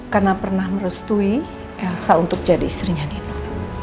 karena pernah merestui elsa untuk jadi istrinya nino